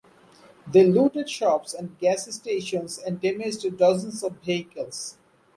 They looted shops and gas stations and damaged dozens of vehicles.